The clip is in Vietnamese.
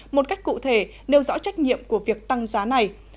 một cách cụ thể nêu rõ trách nhiệm của việc tăng giá này